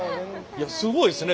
いやすごいですね。